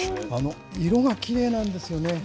色がきれいなんですよね。